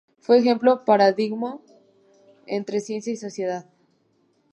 Fue ejemplo paradigmático entre ciencia y sociedad.